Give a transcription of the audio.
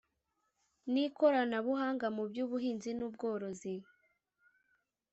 N Ikoranabuhanga Mu By Ubuhinzi N Ubworozi